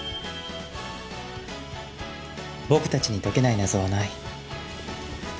僕たちに解けない謎はない。